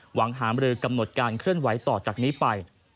หามรือกำหนดการเคลื่อนไหวต่อจากนี้ไป